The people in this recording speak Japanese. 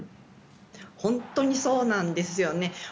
本当にそうなんですよね。